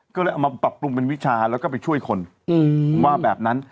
ก็เลยเอามาปรับปรุงเป็นวิชาแล้วก็ไปช่วยคนว่าแบบนั้น